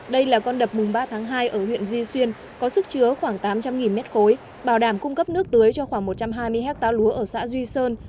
đây là con đập mùng ba tháng hai ở huyện duy xuyên có sức chứa khoảng tám trăm linh m ba bảo đảm cung cấp nước tưới cho khoảng một trăm hai mươi hectare lúa ở xã duy sơn